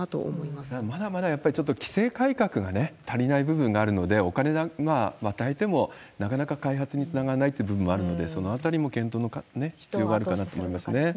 まだまだやっぱりちょっと規制改革が足りない部分があるので、お金を与えても、なかなか開発につながらないという部分もあるので、そのあたりも検討の必要があるかなと思いますね。